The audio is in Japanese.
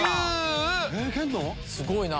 すごいな！